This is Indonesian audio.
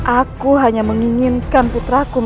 aku hanya menginginkan putraku